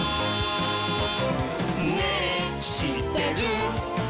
「ねぇしってる？」